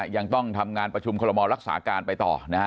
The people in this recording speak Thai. ยังต้องทำงานประชุมควรมลรักษาการไปต่อ